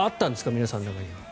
皆さんの中には。